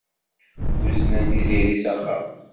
Uznen Tiziri s axxam.